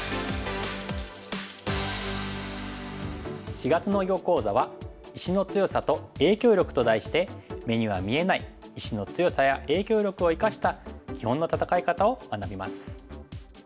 ４月の囲碁講座は「石の強さと影響力」と題して目には見えない石の強さや影響力を生かした基本の戦い方を学びます。